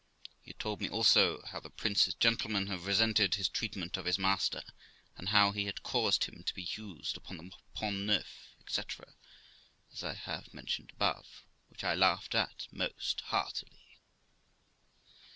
He had told me also how the Prince de 's gentleman had resented his treatment of his master, and how he had caused him to be used upon the Pont Neuf, &c., as I have mentioned above, which I laughed at most heartily.